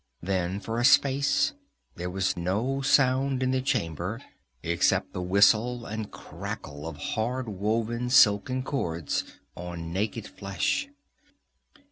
Then for a space there was no sound in the chamber except the whistle and crackle of hard woven silken cords on naked flesh.